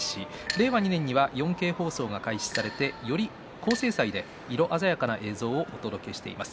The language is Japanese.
令和２年には４Ｋ放送が開始されて、より高精細で色鮮やかな映像をお届けしています。